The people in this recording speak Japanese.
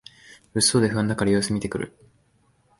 物騒で不安だから様子みてくる